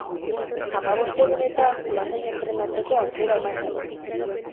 Hamabost egunetan lasai entrenatzeko aukera eman dio.